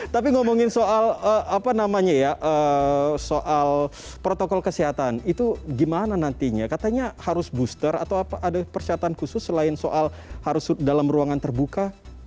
tapi ngomongin soal protokol kesehatan itu gimana nantinya katanya harus booster atau ada persyaratan khusus selain soal harus dalam ruangan terbuka